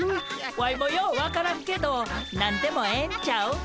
ワイもよう分からんけど何でもええんちゃう？